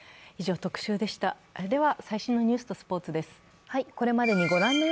では、最新のニュースとスポーツです。